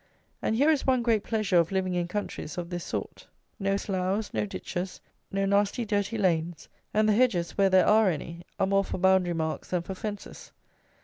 And here is one great pleasure of living in countries of this sort: no sloughs, no ditches, no nasty dirty lanes, and the hedges, where there are any, are more for boundary marks than for fences.